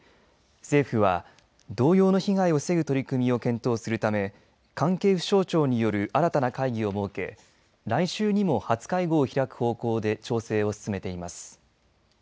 政府は同様の被害を防ぐ取り組みを検討するため関係府省庁による新たな会議を設け来週にも初会合を開く方向で調整を進めています。